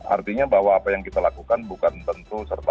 artinya bahwa apa yang kita lakukan bukan tentu serta